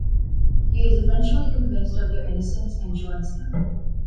He is eventually convinced of their innocence, and joins them.